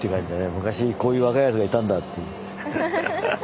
昔こういう若いやつがいたんだっていう。